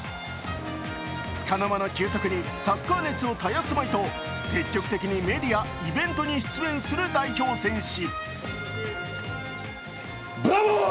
つかの間の休息にサッカー熱を絶やすまいと積極的にメディア、イベントに出演する代表戦士。